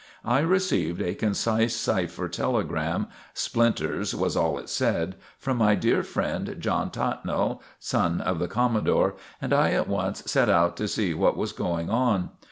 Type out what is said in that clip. I received a concise cypher telegram, ("Splinters," was all it said), from my dear friend John Tattnall, son of the Commodore, and I at once set out to see what was going on.